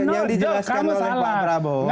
yang dijelaskan oleh pak prabowo